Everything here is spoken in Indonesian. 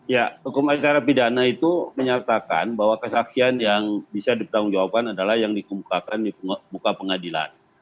ya hukuman secara pidana itu menyatakan bahwa kesaksian yang bisa ditanggung jawaban adalah yang dikemukakan di buka pengadilan